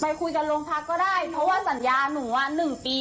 ไปคุยกันโรงพักก็ได้เพราะว่าสัญญาหนูว่า๑ปี